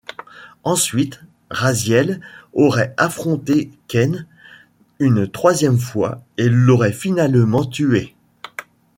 Ensuite, Raziel aurait affronter Kain une troisième fois et l'aurait finalement tué.